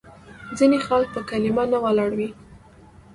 ځینې خلک په کلیمه نه ولاړ وي.